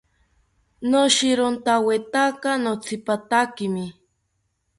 Noshirontawetaka notsipatakimi